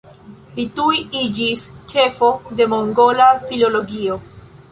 Li tuj iĝis ĉefo de mongola filologio.